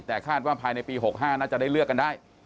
แต่คาดว่าภายในปี๖๕น่าจะได้เลือกกันได้